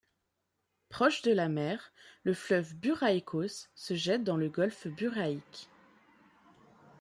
Proche de la mer, le fleuve Buraïcos se jette dans le golfe buraïque.